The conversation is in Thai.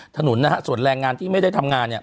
ถนนนะส่วนแรงงานที่ไม่ได้ทำงาน